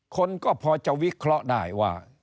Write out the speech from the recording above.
คนก็พอจะวิเคราะห์ได้ว่า